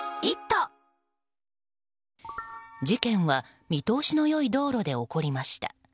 事件は見通しの良い道路で起きました。